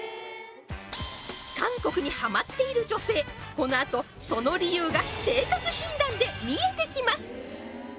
このあとその理由が性格診断で見えてきます